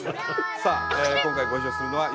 さあ今回ご一緒するのはよ